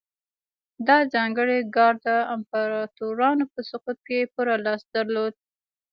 دا ځانګړی ګارډ د امپراتورانو په سقوط کې پوره لاس درلود